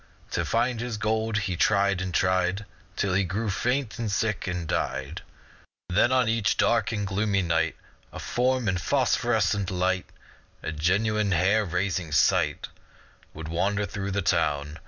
To find his gold he tried and tried Till he grew faint, and sick, and died Then on each dark and gloomy night A form in phosphorescent white, A genuine, hair raising, sight, Would wander through the town.